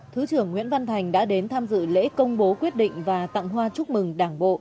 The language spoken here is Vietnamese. thứ trưởng nguyễn văn thành đã đến tham dự lễ công bố quyết định và tặng hoa chúc mừng đảng bộ